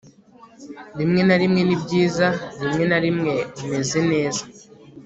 rimwe na rimwe ni byiza, rimwe na rimwe umeze neza